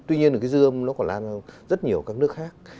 tuy nhiên là cái dương nó còn lan vào rất nhiều các nước khác